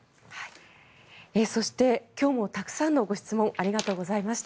そして今日もたくさんのご質問ありがとうございました。